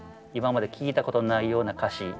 今まで聴いたことのないような歌詞